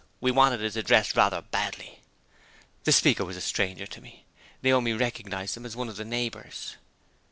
"We wanted his address rather badly." The speaker was a stranger to me. Naomi recognized him as one of the neighbors.